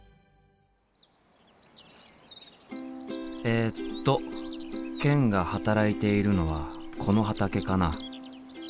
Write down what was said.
えっとケンが働いているのはこの畑かな？